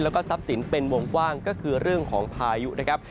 แล้วก็ทรัพย์สินเป็นวงกว้างก็คือเรื่องของพายุนะครับ